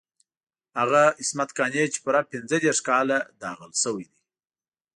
هغه عصمت قانع چې پوره پنځه دېرش کاله داغل شوی دی.